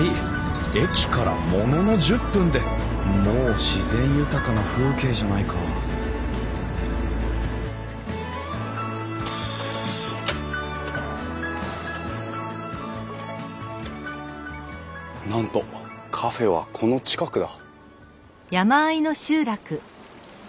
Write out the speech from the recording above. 駅からものの１０分でもう自然豊かな風景じゃないかなんとカフェはこの近くだ。